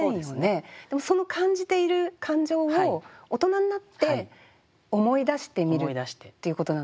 でもその感じている感情を大人になって思い出してみるっていうことなんですか？